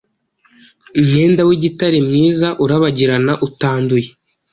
umwenda w'igitare mwiza, urabagirana, utanduye